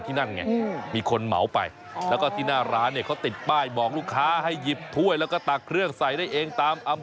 ก็คือมีหน้าที่ตัดไอศครีมใส่ถ้วยให้เท่านั้น